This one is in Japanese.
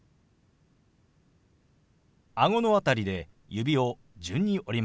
顎の辺りで指を順に折り曲げます。